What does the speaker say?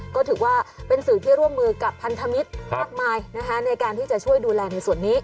ก็ถือว่าเป็นสื่อที่ร่วมมือกับพันธมิตรมากมายนะคะในการที่จะช่วยดูแลในส่วนนี้